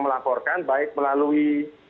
melaporkan baik melalui